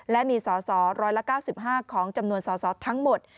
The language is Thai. และมีสอสอ๑๙๕ของจำนวนสสทั้งหมด